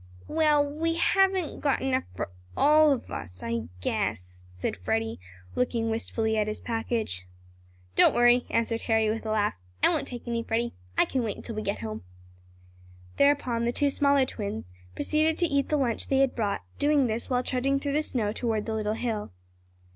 "We we haven't got enough for all of us I guess," said Freddie, looking wistfully at his package. "Don't worry!" answered Harry with a laugh. "I won't take any, Freddie. I can wait until we get home." Thereupon the two smaller twins proceeded to eat the lunch they had brought, doing this while trudging through the snow toward the little hill.